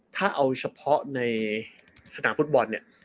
ถ้าเอาเฉพาะในสนามฟุตบอลเนี่ย